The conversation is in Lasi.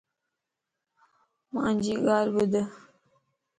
مانجي ڳالهه ٻڌ